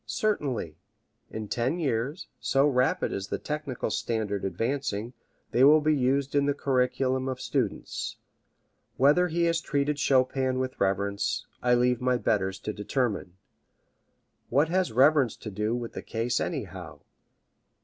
Certainly. In ten years so rapid is the technical standard advancing they will be used in the curriculum of students. Whether he has treated Chopin with reverence I leave my betters to determine. What has reverence to do with the case, anyhow?